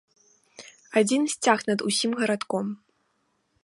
Адзін сцяг над усім гарадком!